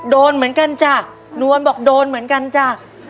โดนเหมือนกันจ้ะนวลบอกโดนเหมือนกันจ้ะ